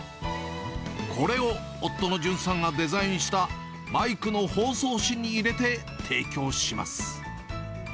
これを夫の隼さんがデザインしたマイクの包装紙に入れて提供します。